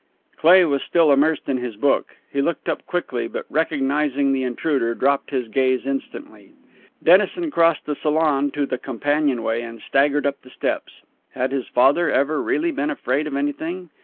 Cleigh was still immersed in his book. He looked up quickly, but recognizing the intruder, dropped his gaze instantly. Dennison crossed the salon to the companionway and staggered up the steps. Had his father ever really been afraid of anything?